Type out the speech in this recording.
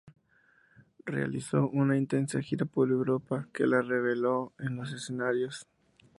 Realizó una intensa gira por Europa que la reveló en los escenarios.